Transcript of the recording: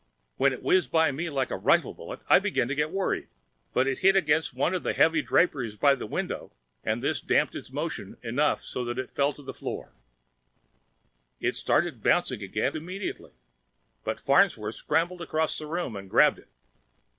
When it whizzed by me like a rifle bullet, I began to get worried, but it hit against one of the heavy draperies by the window and this damped its motion enough so that it fell to the floor. It started bouncing again immediately, but Farnsworth scrambled across the room and grabbed it.